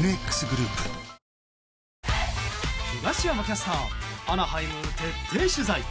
キャスターアナハイム徹底取材。